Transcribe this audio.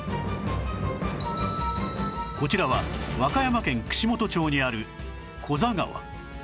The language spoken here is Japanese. こちらは和歌山県串本町にある古座川